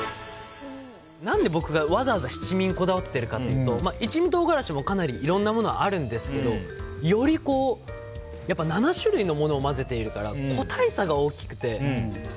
何で僕がわざわざ七味にこだわってるかというと一味唐辛子もかなりいろんなものがあるんですけどより、７種類のものを混ぜているから個体差が大きくて。